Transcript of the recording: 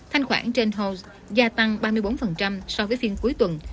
thanh khoản trên house gia tăng ba mươi bốn so với phiên cuối tuần